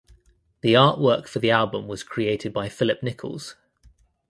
The artwork for the album was created by Phillip Nichols.